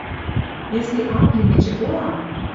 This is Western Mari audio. Если «аклим» эче колам